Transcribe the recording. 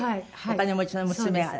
お金持ちの娘が。